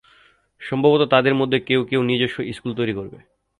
সম্ভবত তাদের মধ্যে কেউ কেউ তাদের নিজস্ব স্কুল তৈরি করবে।